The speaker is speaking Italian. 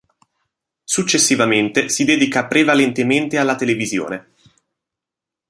Successivamente si dedica prevalentemente alla televisione.